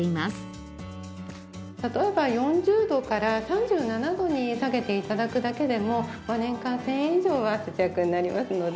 例えば４０度から３７度に下げて頂くだけでも年間１０００円以上は節約になりますので。